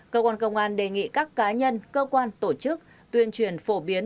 cơ quan công an đề nghị các cá nhân cơ quan tổ chức tuyên truyền phổ biến